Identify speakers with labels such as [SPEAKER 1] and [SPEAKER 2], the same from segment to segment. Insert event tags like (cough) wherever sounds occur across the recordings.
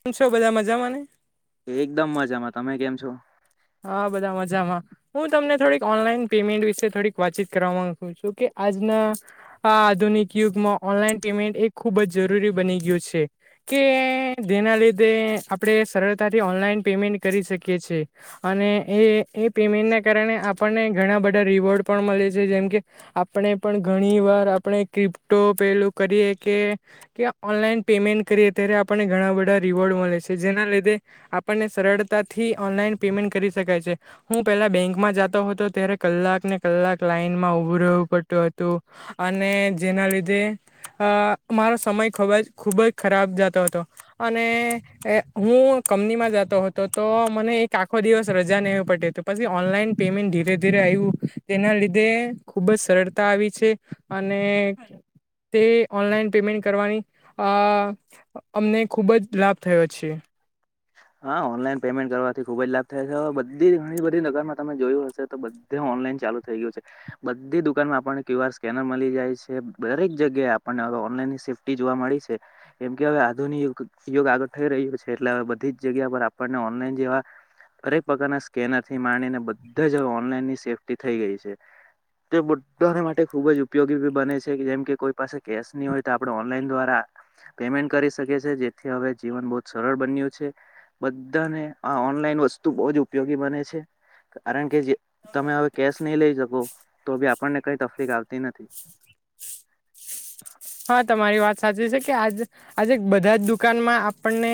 [SPEAKER 1] કેમ છો બધા મજામાં ને.
[SPEAKER 2] એકદમ મજામાં તમે કેમ છો?
[SPEAKER 1] હા બધા મજામાં હું તમને થોડીક ઓનલાઈન પેમેન્ટ વિશે થોડીક વાતચીત કરવા માંગુ છું કે આજના આધુનિક યુગમાં ઓનલાઈન પેમેન્ટ એ ખૂબ જ જરૂરી બની ગયું છે. કે જેના લીધે આપણે સરળતાથી ઓનલાઈન પેમેન્ટ કરી શકીએ છે. અને એ એ પેમેન્ટના કારણે આપણને ઘણા બધા રીવોર્ડ પણ મળે છે જેમકે આપણે પણ ઘણી વાર આપણે ક્રિપ્ટો પેલું કરીએ કે કે ઓનલાઈન પેમેન્ટ પેમેન્ટ કરીયે ત્યારે આપણને બધા રિવોર્ડ મળે છે જેના લીધે આપણને સરતાથી ઓનલાઈન પેમેન્ટ કરી શકાય છે હું પેલા બેંકમાં જાતો હતો ત્યારે કલાક ને કલાક લાઈનમાં ઉભુ રેવું પડતું હતું અને જેના લીધે અ મારો સમય ખ ખૂબ જ ખરાબ જતો હતો અને હું કંપનીમાં જાતો હતો તો મને એક આખો દિવસ રજા લેવી પડતી પછી ઓનલાઈન પેમેન્ટ ધીરે-ધીરે આવ્યું તેના લીધે ખૂબ જ સરળતા આવી છે અને તે ઓનલાઈન પેમેન્ટ કરવાની અ અમને ખૂબ જ લાભ થયો છે
[SPEAKER 2] હા ઓનલાઈન પેમેન્ટ કરવાથી ખુબ જ લાભ થાય છે હવે બધી ઘણી બધી નગરમાં તમે જોયું હશે તો બ ઓનલાઈન ચાલુ થઈ ગયું છે બધી દુકાનમાં આપણને ક્યુ આર સ્કેનર મળી જાય છે દરેક જગ્યાએ આપણે ન સેફ્ટી જોવા મળી છે કેમ કે હવે આધુનિક યુગ આગળ થઈ રહ્યો છે એટલે હ બધી જગ્યા પર આપણને ઓનલાઈન જેવા દરેક પ્રકારના સ્કેનર થી માણીને બધા જ ઓનલાઈનની સેફ્ટી થઈ ગઈ છે તે બધાને માટે ખુબ જ ઉપયોગી બને છે જેમ કે કોઈ પાસે કેશ નહી હોય તો આપડણે ઓનલાઈન દ્વારા પેમેન્ટ કરી શકે છે જેથી હવે જીવન બહુ જ સરળ બન્યું છે બધાને આ ઓનલાઈન વસ્તુ બહુ જ ઉપયોગી બને છે કારણ કે જે તમે હવે કેશ નહી લઈ શકો તો બી આપણને કઈ તકલીફ આવતી નથી-
[SPEAKER 1] (inaudible) હા તમારી વાત સાચી છે કે આજ આજે બધા જ દુકાનમાં આપણને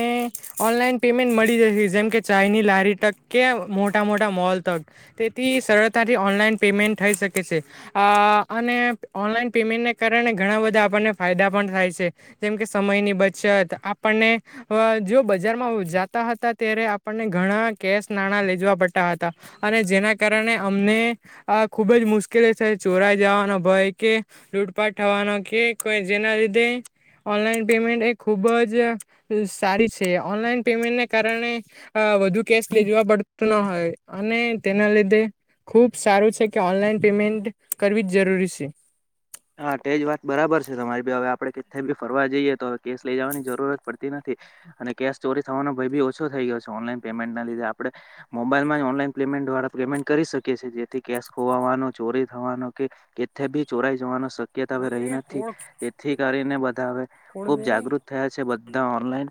[SPEAKER 1] ઓનલાઈન પેમેન્ટ મળી જશે જેમ કે ચાયની લારી તક કે મોટા મોટા મોલ તક તેથી સરળતા ઓનલાઈન પેમેન્ટ થઈ શકે છેઅ અને ઓનલાન પેમેન્ટને કારણે ઘણા બધા આપણને ફાયદા પણ થાય છે જેમ કે સમયની બચત આપણને જો બજારમાં જાતા હતા ત્યારે આપણને ઘણા કેશ નાણા લે જવા પડતા હતા અને જેના કારણે અમને આ ખુબ જ મુશ્કેલી છે ચોરાઈ જવાનો ભય કે લૂટપાટ થવાનો કે કોઈ જેના લીધે ઓનલાઈન પેમેન્ટ એ ખૂબ જ સારી છે ઓનલાઈન પેમેન્ટને કારણે વધુ કેશ લે જોવા પડતું ના હોય અને તેના લીધે ખુબ સારું છે કે ઓનલાઈન પેમેન્ટ કરવી જ જરૂરી છે
[SPEAKER 2] હા તેજ વાત બરાબર છે તમારી ભી હવે આપણે કે ભી ફરવા જઈએ તો હવે કેસ લઇ જવાની જરૂરત પડતી નથી અને કેશ ચોરી થવાનો ભય બી ઓછો થઈ ગયો છે ઓનલાઈન પેમેન્ટ ના લીધે આપડે મોબાઈલમાં ઓનલાઈન પેમેન્ટળ પેમેન્ટ કરી શકી જેથી કેશ ખોવાનો ચોરી થવાનો કે કે ભી ચોરાઈ જવાનો શક્યતા હવે રહી નથી એથી કરીને હ ખુબ જાગૃત થયા છે બધા ઓનલાઈન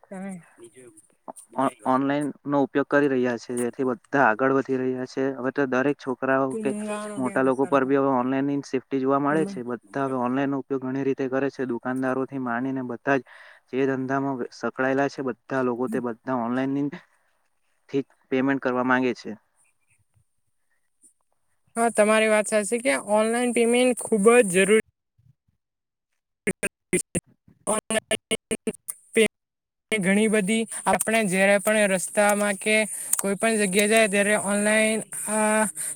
[SPEAKER 2] ઓનલાઈન નો ઉપયોગ કરી રહ્યા છે જેથી બધા આગળ વધ રહ્યા છે હવે તો દરેક છોકરાઓ કે મોટા લોકો પર બી હવે ઓનલાઈન સેફ્ટી જોવા મળે બધા હવે ઓનલાઈન નો ઉપયોગ ઘણી રીતે કરે છે દુકાનદારો થી માનીને બધા જ જે ધંધામાં સંકળાયેલા છે બધા લોકો તે બધા ઓનલાઈન થી પેમેન્ટ કરવા માંગે છે.
[SPEAKER 1] હા તમારી વાત સાચી કે ઓનલાઈન પેમેન્ટ ખુબ જ જરૂરી ઓનલાન (unintelligible) ઘણી બધી આપણે જયારે પણ રસ્તામાં કે કોઈ પણ જગ્યા જાય ત્યારેન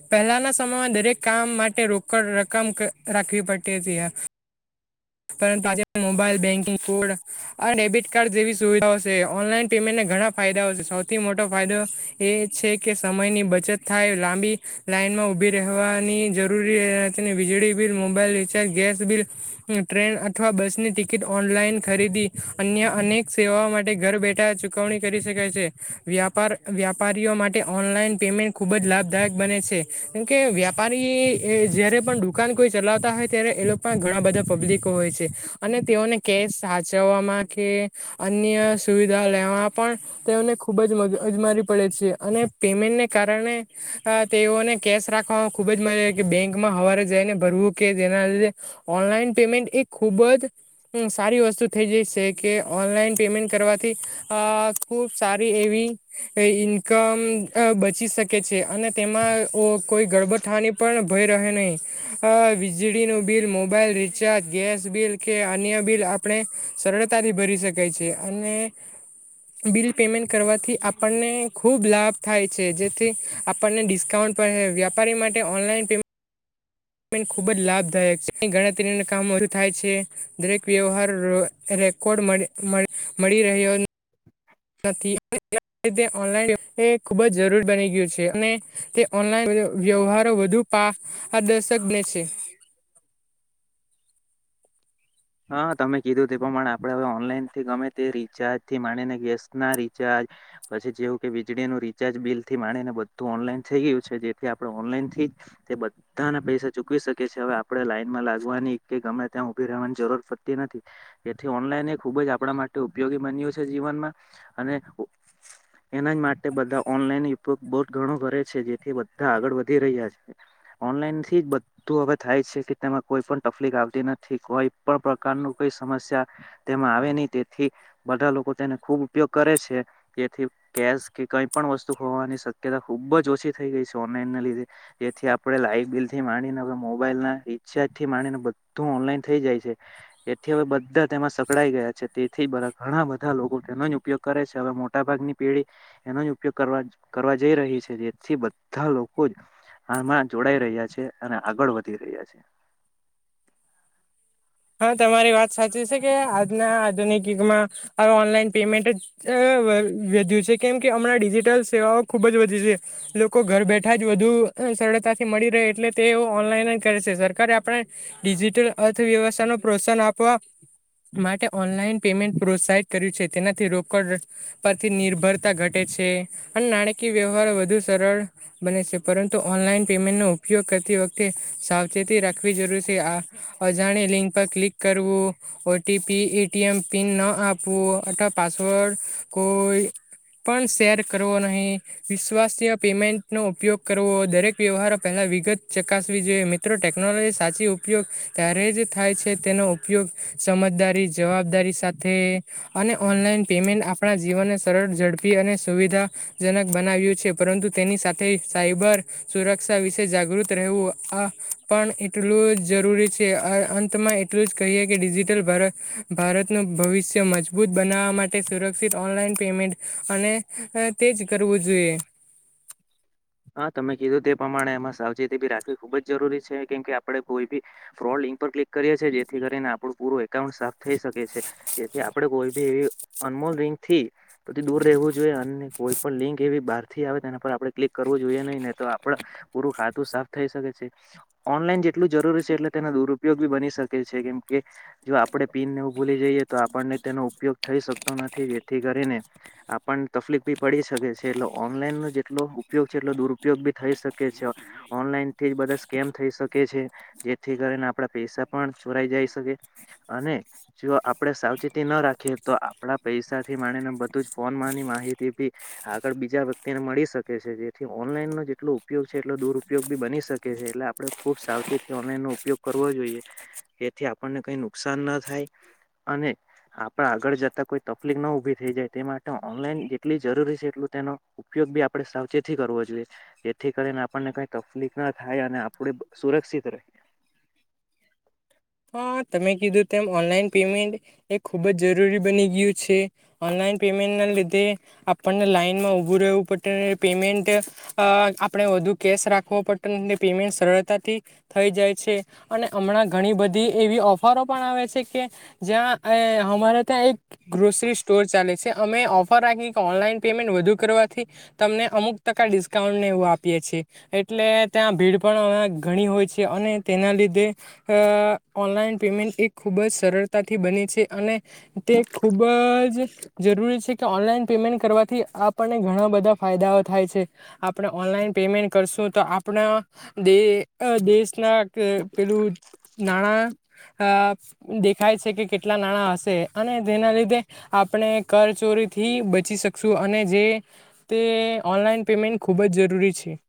[SPEAKER 1] પહેલાના સમયમાં દરેક કામ માટે રોકડ રકમ રાખવી પડતી જયા (unintelligible) પરંતુ આજે મોબાઈલ બેન્કિંગ કોડ અ ડેબિટ કાર્ડ જેવી સુવિધાઓ છે ઓનલાઈન પેમેન્ટ ઘણા ફાયદાઓ છે સૌથી મોટો ફાયદો એ છે કે સમયની બચત થાય લાંબી લાઈન લનમાં ઉભી રહેવાની જરૂરી નથી વીજળી bill mobile recharge gas bill train અથવા બસ ની ટિકિટ ઓનલાઈન ખરીદી અન્ય અનેક સેવાઓ માટે ઘર બેઠા ચુ ચૂકવણી કરી શકાય છે વ્યાપા વ્યાપારીઓ માટે ઓનલાઈન પેમેન્ટ ખૂબ જ લાભદાયક બને છે કે કે વ્યાપારીએ જયારે પણ દુકાન કોઈ ચલાવતા હોય ત્યારે એ લોકો પણ ઘણા બધા પબ્લિક હોય છે અને તેઓને કેશ સાચવવામાં કે અન્ય સુવિધા લેવામાં પણ તેઓને ખૂબ જ મગજમારી પડે છે અને પેમેન્ટને કારણે અ તેઓને કેશ રાખવાવામાં ખુબ જ મજા બેંકમાં હવારે જઈને ભરવું કે જેના લીધે ઓનલાઈન પેમેન્ટ એ ખુબ જ સારી વસ્તુ થઈ જાય છે કે ઓનલાઈન પેમેન્ટ કરવાથી અ ખુબ સારી એવી ઇન્કમ બચી શકે છે. અને તેમાં કોઈ ગર્ભથાની પણ ભય રહે નહીં આ વીજળીનું બિલ મોબાઈલ રી ગેસ બિલ કે અન્ય બિલ આપણે સરળતાથી ભરી શકાય છે અને બિલ પેમેન્ટ કરવાથી આપણને ખૂબ લાભ થાય છે જેથી આપણને ડિસ્કાઉન્ટ પણ વ્યાપારી માટે ઓનલાઈન પે મેન્ટ ખૂબ જ લાભદાયક છે. અહીં ગણતરીના કામો થાય છે. દરેક વ્યવહાર રેકોર્ડ મળી મળી મળી રહ્યો (unintelligible) ખુબ જ જરૂર બની ગયું છે અને તે ઓનલાઈ વ્યવહારો વધુ પદર્શકને તે (inaudible)
[SPEAKER 2] હા, તમે કીધું તે પ્રમાણે આપડે હવે ઓનલાઈનથી ગમે તે રિચાર્જથી માનીને ગેસના રિચા પછી જેવું કે વીજળીનું રિચાર્જ બિલથી માનીને બધું ઓનલાઈન થઈ ગયું છે જેથી આપણે ઓનલાઈનથી તે બધાને પૈસા ચૂકવી શકે છે હવે આપણેે લાઈનમાં લાગવાની કે ગમે ત્યાં ઉભી રહેવાની જરૂર પડતી નથી એથી ઓનલાઈન એ ખૂબ જ આપણા માટે ઉપયોગી બન્યું છે જીવનમાં અને
[SPEAKER 1] (inaudible)
[SPEAKER 2] એના જ માટે બધાં ઓનલાઈન ઉપયોગ બો ઘણો કરે છે. જેથી બધાં આગળ વધી રહ્યા છે. ઓનલાઈનથી જ બધું હવે થાય છે કે તેમાં કોઈ પણ તકલીફ આવતી નથી કોઈ પણ પ્રકારનું કોઈ સમસ્યા તેમાં આવેની તેથી બધા લોકો તેને ખૂબ ઉપયોગ કરે છે. તેથી ગેસ કે કઈ પણ વસ્તુ ખોવાની શક્યતા ખુબ જ ઓછી થઈ ગઈ છે. ઓનલાઈના લીધે જેથી આપણે લાઈટ બિલથી માંડીને મોબાઈલના રીચાર્જથી માડીને બધું ઓનલાઈન થઈ જાય છે. એથી હવે બધા તેમાં સકડાઈ ગયા છે. તેથી ઘણાં બધાં લોકો તેનો જ ઉપયોગ કરે છે. મોટા ભાગની પેઢી એનો જ ઉપયોગ કરવા કરવા જઈ રહી છે જેથી બધા લોકો જ આમાં જોડાઈ રહ્યા છે અને આગળ વધી રહ્યા છે.
[SPEAKER 1] (inaudible) હા, તમારી વાત સાચી છેકે આજના આધુનિક યુગમાં આ ઓનલાઈન પેમેન્ટ જ અ વધ્યું છે. કેમ કે હમણાં ડિજિટલ સેવાઓ ખુબ જ વધી છે. લોકો ઘર બેઠા જ વધુ સરળતાથી મળી રહે એટલે તે ઓનલાઈન કરે છે સરકારે આપણા ડિજિટલ અર્થવ્યવસ નો પ્રોત્સાહન આપવા માટે ઓનલાઈન પેમેન્ટ પ્રોત્સાહિત કર્યું છે. તેનાથી રોકડ પરથી નિર્ભરતા ઘટે નાણાકીય વ્યવહાર વધુ સરળ બને છે. પરંતુ ઓનલાઈન પેમેન્ટનો ઉપયોગ વખતે સાવચેતી રાખવી જરૂર છે આ અજાણી લિંક પર ક્લિક કરવું ઓટીપી, એટીએમ પિન ન આપવું અથવા પાસવર્ડ કોઈ પણ શેર કરવો નહીં વિશ્વાસય પેમેન્ટ નો ઉપયોગ કરવો દરેક વ્યવહારો પહેલા વિગત ચકાસવી જોઈએ મિત્રો ટેકનોલોજી સાચી ઉપયોગ ત્યારે જ થાય છે તેનો ઉપયોગ સમજદારી, જવાબદારી સાથે અને ઓનલાઈન પેમેન્ટ આપણા જીવનને સરળ ઝડપી અને સુવિધાજનક બનાવ્યું છે પરંતુ તેની સાથે સાયબર સુરક્ષા વિશે જાગૃત રહેવું આ પણ એટલું જરૂરી છે આ અંત તેમાં એટલું જ કહીએ કે ડિજિટલ ભારતનું ભવિષ્ય મજબૂત બનાવવા માટે સુરક્ષિત ઓનલાઈન પેમેન્ટ અને તેજ કરવું જોઈએ.
[SPEAKER 2] હા, તમે કીધું તે પ્રમાણે એમાં સાવચેતી બી રાખવી ખુબ જ જરૂરી છે કેમ કે આપડે કોઈ બી ફ્રોડ લિંક પર ક્લિક કરીએ છે જેથી કરીને આપણું પૂરું એકાઉન્ટ સાફ થઈ શકે છે તેથી આપડે કોઈ બી એવી અનમોલ લિંકથી દૂર રહેવું જોઈએ અને કોઈ પણ લિંક એવી બારથી આવે તેના પર આપરે ક્લિક કરવું જોઈએ નહી નેતો આપડ પૂરું ખાતું સાફ થઈ શકે છે ઓનલાઈન જેટલું જરૂરી છે એટલે તેના દુરયોગ બી બની શકે છે કેમ કે જો આપડે પીનને એવું ભૂલી જઈએ તો આપણને તેનો ઉપયોગ થઈ શ જેથી કરીને આપણે તફલીફ બી પડી શકે છે એટલે ઓનલાઈનનુ જેટલુ ઉપયોગ છે એટલો દુરુપયોગ બી થઈ શકે છે ઓનલાઈનથી બધા સ્કેમ થઈ શકે છે જેથી ક આપરા પૈસા પણ ચોરાઈ જાય શકે અને જો આપણે સાવચેતીના રાખીએ તો આપણા પૈસાથી માનીને બધું જ ફોન માની માહિતી ભી આગળ બીજા વ્યક્તિ ને મળી શકે છે, જેથી ઓનલાઈનનો જેટલો ઉપયોગ છે એટલો દુરુપયોગ બી બની શકે છે, એટલે આપણે ખૂબ સાવચેતી ઓનલાઈનનો ઉપયોગ કરવો જોઈએ, જેથી આપણને કઈ નુકસાન ના થાય અને આપડ આગળ જતા કોઈ તકલીફ ના ઉભી થઈ જાય તે માટે ઓનલાઈન જેટલી જરૂરી છે એટલું ઉપયોગ બી આપ આપણે સાવચેતી કરવો જોઈએ જેથી કરીને આપણને કઈ તકલીફ ના થાય અને આપણે સુરક્ષિત રહીએ
[SPEAKER 1] (unintelligible) હા, તમે કીધું તેમ ઓનલાઈન પેમેન્ટ એ ખુબ જ જરૂરી બની ગયું છે. ઓનલાઈન પે મેન્ટના લીધે આપણને લાઈનમાં ઉભું રહેવું પડું પેમેન્ટ આપણે વધુ કેશ રાખવો પડતો એ પેમેન્ટ સરળતાથી થઈ જાય છે અને હમણાં ઘણી બધી બધી એવી ઓફરો પણ આવે છે કે, જ્યાં અમારે ત્યાં એક ગ્રોસરી સ્ટોર ચાલે અમે ઓફર રાખીએ કે ઓનલાઈન પેમેન્ટ વધુ કરવાથી તમને અમુક ટકા ડિસ્કાઉન્ટ ને એવું આપીએ એટલે ત્યાં ભીડ પણ ઘણી હોય છે અને તેના લીધે ઓનલાઈન પેમેન્ટ એ ખૂબ જ સરળતાથી બની છે અને તે ખૂબ જ જરી છે કે ઓનલાઈન પેમેન્ટ કરવાથી આપણને ઘણા બધા ફાયદાઓ થાય છે આપણે ઓનલાઈન પેમ પ કરશું તો આપણા દ દેશ ના પેલું નાણાં દેખાય છે કે કેટલા નાણાં હશે અને તેના લીધે આપણે કાર ચોરીથી બચી શકશું અને જે તે ઓનલાઈન પેમેન્ટ ખૂબ જ જરૂરી પછે (unintelligible)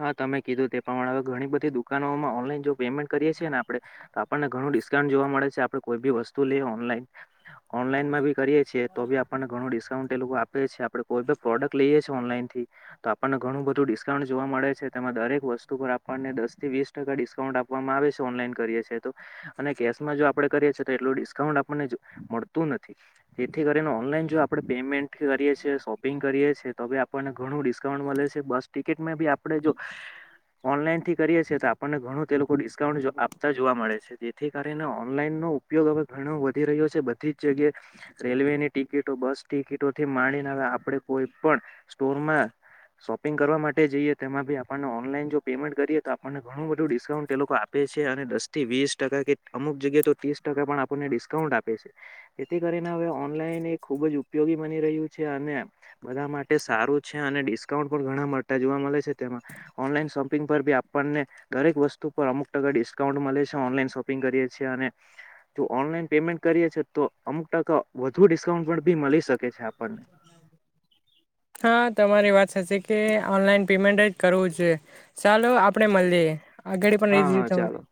[SPEAKER 2] હા, તમે કીધું તે પ્રમાણે હવે ઘણી બધી દુખ દુકાનમાં ઓનલાઈન જો પેમેન્ટ કરીએ છીએને આપણે તો આપણને ઘણું ડિસ્કાઉન્ટ જોવા મળે છે, આપણે કોઈ બી વસ્તુ લઈએ- ઓનલાઈન માં બી કરીએ છીએ તો આપણને ઘણું ડિસ્કાઉન્ટ આપે છે આપણે કોઈ પ્રોડક્ટ લઈએ છીએ ઓનલાઈન થી તો આપણને ઘણું બધું ડિસ્કાઉન્ટ જોવા મળે છે, તેમાં દરેક વસ્તુ પર આપણને દસથી વીસ ટકા ડિસ્કાઉન્ટ આપવામાં આવે છે ઓનલાઈન કરીએ છીએ તો અને કેશમાં જો આપે કરીએ છીએ તો એટલું ડિસ્કાઉન્ટ આપણને મળતું નથી, તેથી કરીને ઓનલાઈન જો આપણે પેમેન્ટ કરીએ છીએ, શોપિંગ કરીએ છીએ, તો હ આપણને ઘણું ડિસ્કાઉન્ટ મળે છે બસ ટિક કીટમાં બી આપડે જો ઓનલાઈન થી કરીએ છીએ તો આપણને ઘણું તે લોકો ડિસ્કાઉન્ટ આપતા જોવા મળે છે, જેથી કરીને ઓનલાઈન નો ઉપયોગ હવે ઘણો વધી રહ્યો છે, બધી જ જગ્યાએ રેલવે ની ટિકિટો, બસ ટિકિટોથી માણ આપણે કોઈ પણ સ્ટોરમાં શોપિંગ કરવા માટે જઈએ તેમાં બી આપણને ઓનલાઈન જો પેમેન્ટ કરીએ તો આપણને ઘણું બધું ડિસ્કાઉન્ટ એ લોકો આપે છે અને દસથી વી તસ ટકા કે અમુક જગ્યાએ તો ત્રીસ ટકા પણ આપણને ડિસ્કાઉન્ટ આપે છે, જેથી કરીને હવે ઓનલાઈન ખુબ જ ઉપયોગી બની રહ્યું છે અને બધા માટે સારું છે અને ડિસ્કાઉન્ટ પણ ઘણા જોવા મળે છે, તેમાં ઓનલાઈન શોપિંગ પર બી આપણને દરેક વસ્તુ પર અમુક ટકા ડિસ્કાઉન્ટ મળે છે ઓનલાઈન શોપિંગ કરીએ છીએ અને જો ઓનલાઈન પેમેન્ટ કરીએે તો અમુક ટકા વધુ ડિસ્કાઉન્ટ પણ બી મળી શકે છે આપણને
[SPEAKER 1] રી વાત થશે કે ઓનલાઈન પેમેન્ટ જ કરવું જોઈ, ચાલો આપણેે મળીએ આ ઘડી પણ રઈ
[SPEAKER 2] હા
[SPEAKER 1] દીધી
[SPEAKER 2] હા
[SPEAKER 1] તમા
[SPEAKER 2] ચાલો